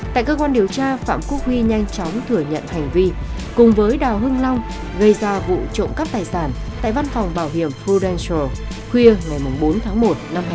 thiệt là huy chính là người đã đi xe máy cùng long đến văn phòng bảo hiểm prudential khuya ngày bốn tháng một năm hai nghìn hai mươi một